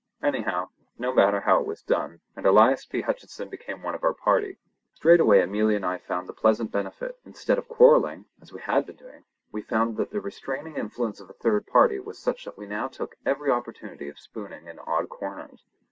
Anyhow, no matter how, it was done; and Elias P. Hutcheson became one of our party. Straightway Amelia and I found the pleasant benefit; instead of quarrelling, as we had been doing, we found that the restraining influence of a third party was such that we now took every opportunity of spooning in odd corners.